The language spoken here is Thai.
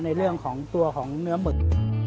ในเรื่องของตัวของเนื้อหมึก